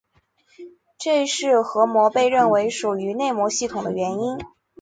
这是核膜被认为属于内膜系统的原因。